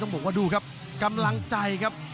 บอกว่าดูครับกำลังใจครับ